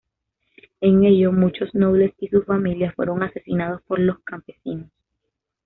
En ello, muchos nobles y sus familias fueron asesinados por los campesinos.